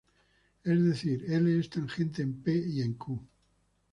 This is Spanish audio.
Es decir, "L" es tangente en "P" y en "Q".